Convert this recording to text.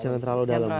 jangan terlalu dalam